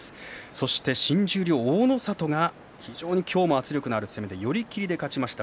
そして新十両の大の里が非常に圧力のある相撲で寄り切りで勝ちました。